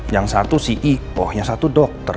yang satu si ipoh yang satu dokter